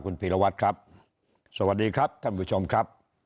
คุณพีรวัตรครับสวัสดีครับท่านผู้ชมครับ